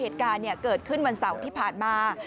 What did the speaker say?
เหตุการณ์เกิดขึ้นวันเสาร์ที่ผ่านมา